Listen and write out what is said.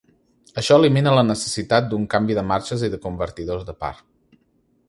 Això elimina la necessitat d'un canvi de marxes i de convertidors de par.